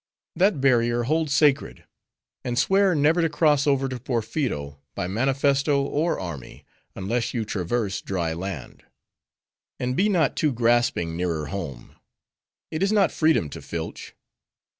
That barrier hold sacred. And swear never to cross over to Porpheero, by manifesto or army, unless you traverse dry land. "And be not too grasping, nearer home. It is not freedom to filch.